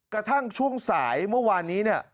กระทั่งช่วงสายเมื่อวานนี้เนี่ย